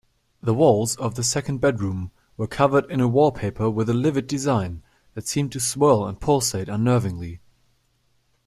The walls of the second bedroom were covered in a wallpaper with a livid design that seemed to swirl and pulsate unnervingly.